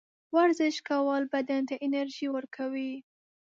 ورزش کول بدن ته انرژي ورکوي.